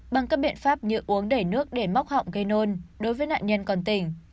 bằng các biện pháp như uống đầy nước để móc họng gây nôn đối với nạn nhân còn tỉnh